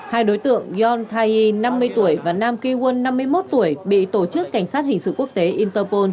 hai đối tượng yon thaiy năm mươi tuổi và nam kỳ won năm mươi một tuổi bị tổ chức cảnh sát hình sự quốc tế interpol